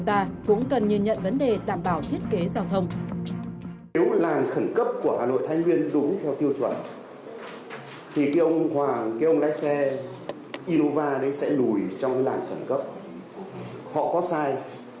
trách nhiệm của ai